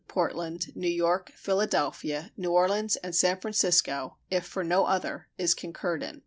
Portland, New York, Philadelphia, New Orleans, and San Francisco, if for no other, is concurred in.